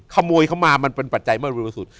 ขโมยเข้ามามันเป็นปัจจัยมากบริสุทธิ์